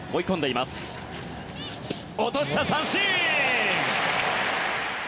落とした、三振！